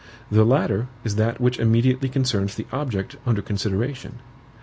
The latter is that which immediately concerns the object under consideration.